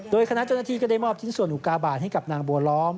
โดยคณะเจ้าหน้าที่ก็ได้มอบชิ้นส่วนอุกาบาทให้กับนางบัวล้อม